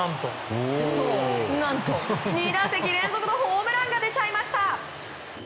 何と２打席連続のホームランが出ちゃいました！